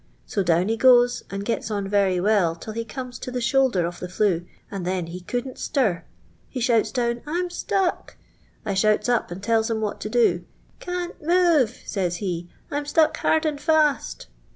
So down he goes, and gets on very well till he comes to the shouM 'r of the flu ', and then he couldn't stir. He shou'4 , down. M 'm stuck.' I shouts up and tells hia what to do. * Can't move,' says he, * I'm stuck : hard and f;ist.'